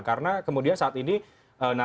karena kemudian saat ini narasi yang timbulnya itu